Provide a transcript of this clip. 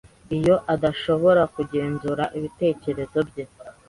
iyo adashobora kugenzura ibitekerezo bye